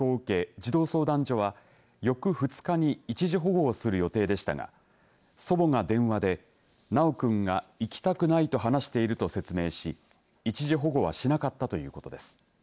児童相談所は翌２日に一時保護をする予定でしたが祖母が電話で修くんが行きたくないと話していると説明し一時保護はしなかったということです。